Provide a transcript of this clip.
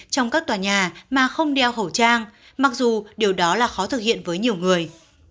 trong các tòa nhà mà không đeo khẩu trang mặc dù điều đó là khó thực hiện với nhiều người